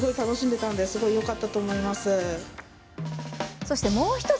そしてもう１つ。